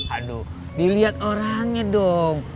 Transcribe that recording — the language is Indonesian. aduh dilihat orangnya dong